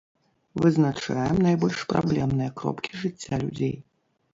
Вызначаем найбольш праблемныя кропкі жыцця людзей.